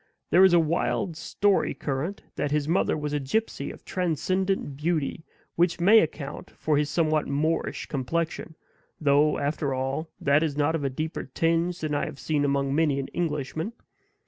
There is a wild story current, that his mother was a gypsy of transcendent beauty, which may account for his somewhat Moorish complexion, though, after all, THAT is not of a deeper tinge than I have seen among many an Englishman.